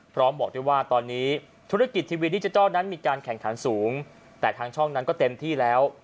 บอกได้ว่าตอนนี้ธุรกิจทีวีดิจิทัลนั้นมีการแข่งขันสูงแต่ทางช่องนั้นก็เต็มที่แล้ว